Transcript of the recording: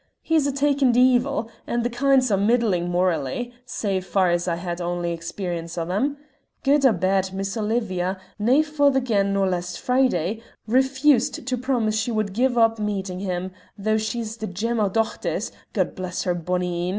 He's a takin' deevil, and the kind's but middlin' morally, sae far as I had ony experience o' them. Guid or bad, Miss Olivia, nae further gane nor last Friday, refused to promise she wad gie up meetin' him though she's the gem o' dochters, God bless her bonny een!